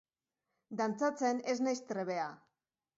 Dantzatzen ez naiz trebea.